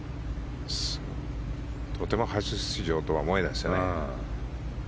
とても初出場とは思えないですよね。